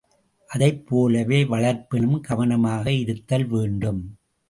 அதைப் போலவே வளர்ப்பிலும் கவனமாக இருத்தல் வேண்டும்.